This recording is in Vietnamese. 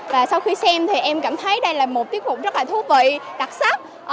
và sau khi xem thì em cảm thấy đây là một tiết mục rất là thú vị đặc sắc